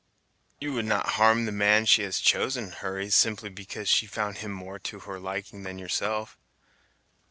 "You would not harm the man she has chosen, Hurry, simply because she found him more to her liking than yourself!"